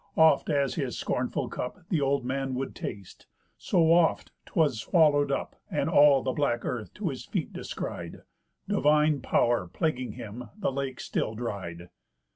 Oft as his scornful cup Th' old man would taste, so oft 'twas swallow'd up, And all the black earth to his feet descried, Divine pow'r (plaguing him) the lake still dried.